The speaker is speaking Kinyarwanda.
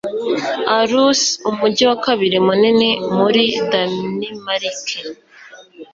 aarhus, umujyi wa kabiri munini muri danimarike